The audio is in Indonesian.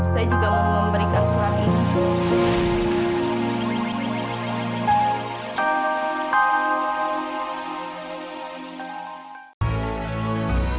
saya juga mau memberikan surat itu